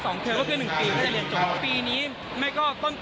ก็คือหลายอีก๒เทอมดีไปอีก๑ปีก็จะเรียนจบ